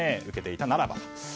受けていたならば。